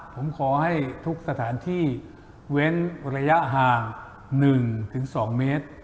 ผมขอให้ทุกสถานที่เว้นระยะห่าง๑๒เมตร